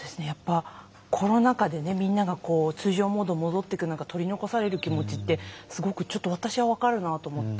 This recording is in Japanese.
コロナ禍からみんなが通常モードに戻っていく中取り残される気持ちってすごく、私は分かるなと思って。